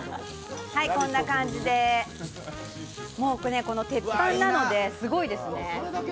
こんな感じで、鉄板なのですごいですね。